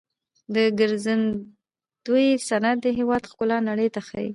د ګرځندوی صنعت د هیواد ښکلا نړۍ ته ښيي.